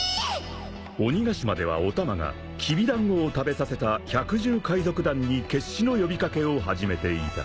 ［鬼ヶ島ではお玉がきびだんごを食べさせた百獣海賊団に決死の呼び掛けを始めていた］